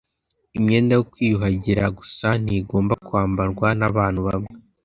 Imyenda yo kwiyuhagira gusa ntigomba kwambarwa nabantu bamwe.